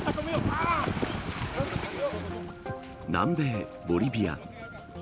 南米ボリビア。